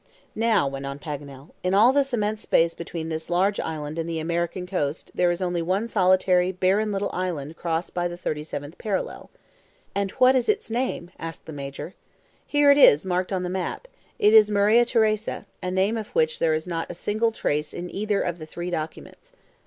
"Now," went on Paganel, "in all this immense space between this large island and the American coast, there is only one solitary barren little island crossed by the 37th parallel." "And what is its name," asked the Major. "Here it is, marked in the map. It is Maria Theresa a name of which there is not a single trace in either of the three documents."